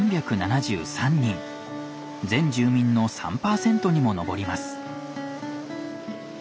全住民の３％にも上ります。